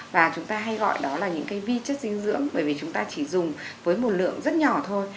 và chúng ta hay gọi đó là những cái vi chất dinh dưỡng bởi vì chúng ta chỉ dùng với một lượng rất nhỏ thôi